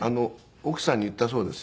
奥さんに言ったそうです。